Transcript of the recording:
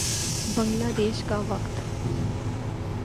بنگلہ دیش کا وقت